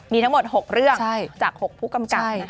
มีทั้งหมด๖เรื่องจาก๖ผู้กำกัดนะคะใช่